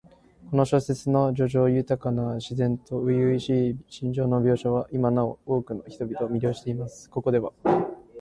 この小説の叙情豊かな自然と初々しい心情の描写は、今なお多くの人々を魅了しています。ここでは、